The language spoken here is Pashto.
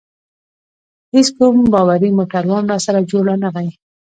هیڅ کوم باوري موټروان راسره جوړ رانه غی.